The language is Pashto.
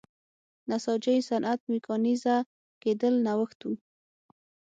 نساجۍ صنعت میکانیزه کېدل نوښت و.